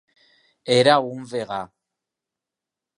Era un vegà.